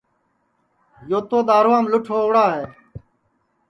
یو تو دؔارُوام لُٹھ ہووَڑا ہے